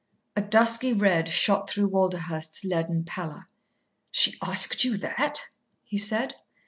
A dusky red shot through Walderhurst's leaden pallor. "She asked you that?" he said.